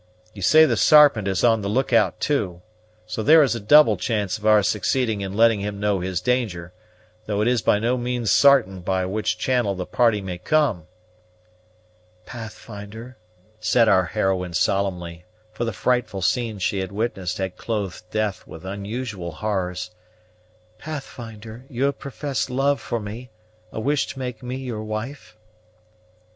You say the Sarpent is on the look out too; so there is a double chance of our succeeding in letting him know his danger; though it is by no means sartain by which channel the party may come." "Pathfinder," said our heroine solemnly, for the frightful scenes she had witnessed had clothed death with unusual horrors, "Pathfinder, you have professed love for me, a wish to make me your wife?"